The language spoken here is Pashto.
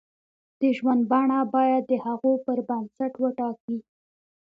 د ژوند بڼه باید د هغو پر بنسټ وټاکي.